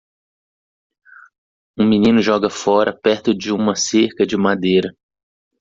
Um menino joga fora perto de uma cerca de madeira.